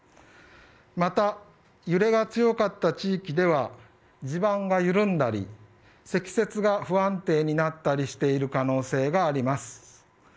また、揺れが強かった地域では地盤が緩んだり積雪が不安定になったりしている可能性があります。